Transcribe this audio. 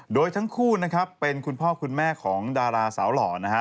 โดยทั้งคู่นะครับเป็นคุณพ่อคุณแม่ของดาราสาวหล่อนะฮะ